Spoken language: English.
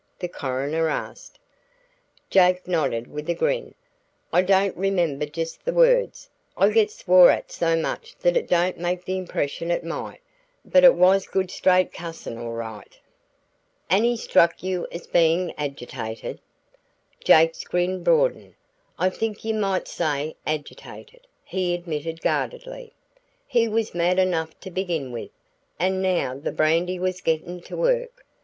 the coroner asked. Jake nodded with a grin. "I don't remember just the words I get swore at so much that it don't make the impression it might but it was good straight cussin' all right." "And he struck you as being agitated?" Jake's grin broadened. "I think you might say agitated," he admitted guardedly. "He was mad enough to begin with, an' now the brandy was gettin' to work.